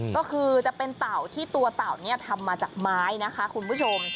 ก็คือจะเป็นเต่าที่ตัวเต่าเนี่ยทำมาจากไม้นะคะคุณผู้ชม